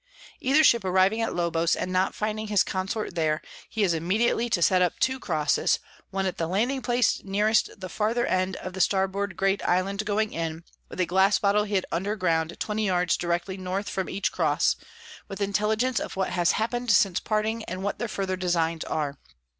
"Either Ship arriving at Lobos, and not finding his Consort there, he is immediately to set up two Crosses, one at the Landing place nearest the farther end of the Starboard great Island going in, with a Glass Bottle hid under ground 20 Yards directly North from each Cross, with Intelligence of what has happen'd since parting, and what their further Designs are.